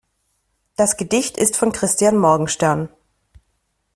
Das Gedicht ist von Christian Morgenstern.